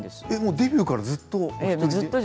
デビューからずっとお一人で？